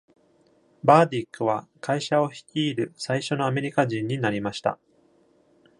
バーディックは会社を率いる最初のアメリカ人になりました。